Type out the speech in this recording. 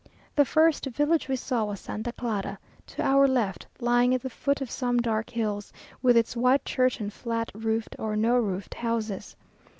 The first village we saw was Santa Clara, to our left, lying at the foot of some dark hills, with its white church and flat roofed or no roofed houses.